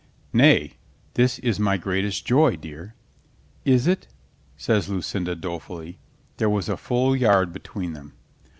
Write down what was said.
"Nay, this is my greatest joy, dear." "Is it?" says Lucinda dolefully. There was a full yard between them.